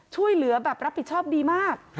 ช่วยเหลือแบบรับผิดชอบดีมาก